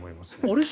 あれ？